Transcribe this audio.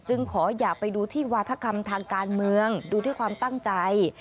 ขออย่าไปดูที่วาธกรรมทางการเมืองดูที่ความตั้งใจ